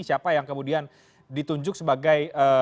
siapa yang kemudian ditunjuk sebagai